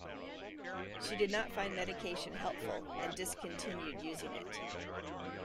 She did not find medication helpful, and discontinued using it.